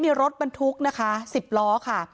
มีรถบรรทุกนะคะ๑๐ล้อค่ะ